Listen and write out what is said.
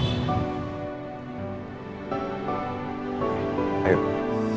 selagatkan itu pesale